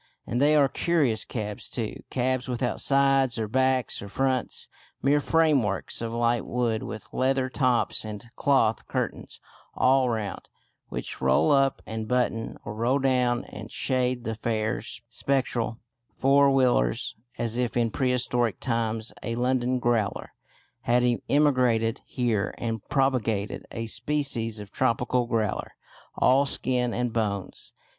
And they are curious cabs too: cabs without sides or backs or fronts; mere frameworks of light wood with leather tops and cloth curtains all round, which roll up and button, or roll down and shade the "fare"; spectral four wheelers, as if in prehistoric times a London "growler" had emigrated here and propagated a species of tropical growler, all skin and bones.